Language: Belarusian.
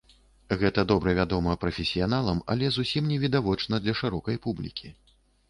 Гэта добра вядома прафесіяналам, але зусім не відавочна для шырокай публікі.